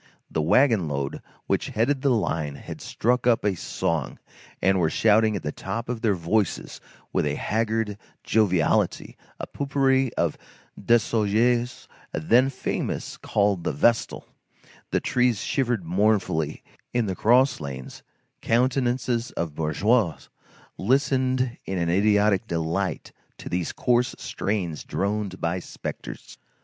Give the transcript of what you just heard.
The wagon load which headed the line had struck up a song, and were shouting at the top of their voices with a haggard joviality, a pot pourri by Desaugiers, then famous, called The Vestal; the trees shivered mournfully; in the cross lanes, countenances of bourgeois listened in an idiotic delight to these coarse strains droned by spectres.